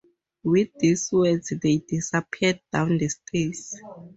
With these words they disappeared down the stairs.